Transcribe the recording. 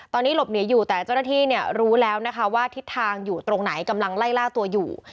ตอนนี้หลบหนีอยู่แต่เจ้าหน้าที่เนี่ยรู้แล้วนะคะว่าทิศทางอยู่ตรงไหนกำลังไล่ล่าตัวอยู่